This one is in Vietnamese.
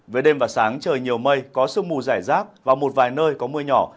về đêm và sáng trời nhiều mây có sương mù giải rác và một vài nơi có mưa nhỏ